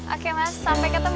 oke mas sampai ketemu